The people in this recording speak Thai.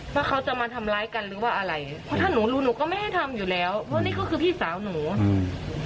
ว่าเขาจะมาทำร้ายกันหรือว่าอะไรเพราะถ้าหนูรู้หนูก็ไม่ให้ทำอยู่แล้วเพราะนี่ก็คือพี่สาวหนูอืม